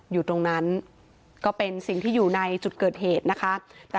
อยู่ตรงนั้นก็เป็นสิ่งที่อยู่ในจุดเกิดเหตุนะคะ